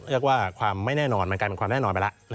เรียกว่าความไม่แน่นอนมันกลายเป็นความแน่นอนไปแล้ว